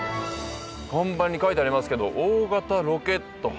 看板に書いてありますけど「大型ロケット発射場」。